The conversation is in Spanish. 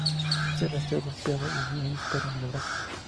Él se rastreó, golpeado y un disparo en el brazo.